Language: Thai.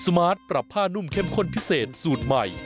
มาร์ทปรับผ้านุ่มเข้มข้นพิเศษสูตรใหม่